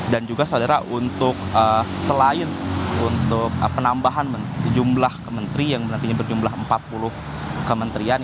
dan juga saudara untuk selain untuk penambahan jumlah kementeri yang berjumlah empat puluh kementerian